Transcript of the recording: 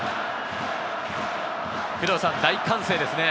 大歓声ですね。